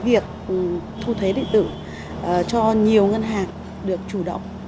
việc thu thuế điện tử cho nhiều ngân hàng được chủ động